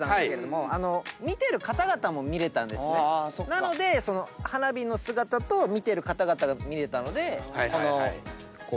なので花火の姿と見てる方々が見れたのでこの。